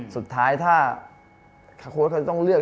สุดท้ายถ้าโค้ดต้องเลือก